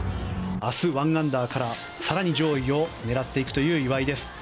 明日１アンダーから更に上位を狙っていくという岩井。